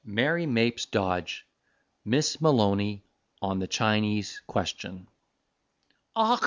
MARY MAPES DODGE MISS MALONY ON THE CHINESE QUESTION Och!